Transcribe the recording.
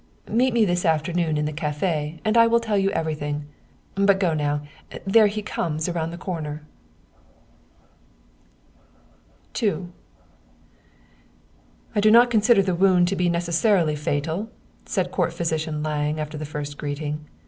Meet me this afternoon in the cafe, and I will tell you everything. But go now there he comes around the corner." II " I DO not consider the wound to be necessarily fatal," said Court Physician Lange, after the first greeting.